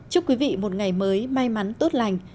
chúc quý vị một ngày mới may mắn tốt lành